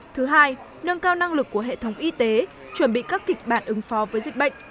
thứ hai nâng cao năng lực của hệ thống y tế chuẩn bị các kịch bản ứng phó với dịch bệnh